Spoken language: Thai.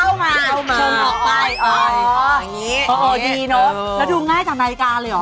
แล้วน่าจะดูง่ายจากรายการเลยหรอ